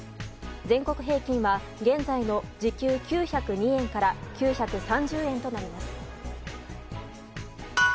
全国平均は現在の時給９０２円から９３０円となります。